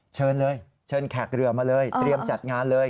เชิญเลยเชิญแขกเรือมาเลยเตรียมจัดงานเลย